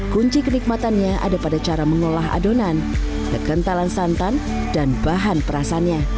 kunci kenikmatannya ada pada cara mengolah adonan kekentalan santan dan bahan perasannya